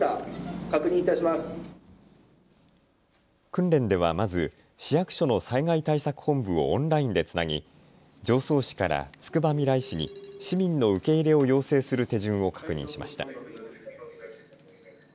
訓練ではまず、市役所の災害対策本部をオンラインでつなぎ、常総市からつくばみらい市に市民の受け入れを要請する手順を確認しました。